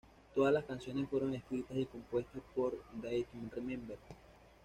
Todas las canciones fueron escritas y compuestas por A Day to Remember.